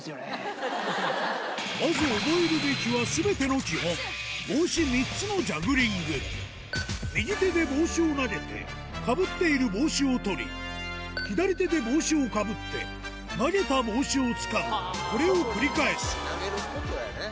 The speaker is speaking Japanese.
まず覚えるべきは全ての基本帽子３つのジャグリング右手で帽子を投げてかぶっている帽子を取り左手で帽子をかぶって投げた帽子をつかむこれを繰り返す投げることやね